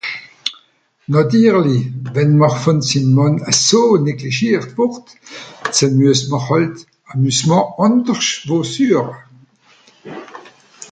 Nàtirlich, wenn m’r vùn sim Mànn eso neglischiert wùrd, ze muess m’r hàlt ’s Amusement àndersch wo sueche.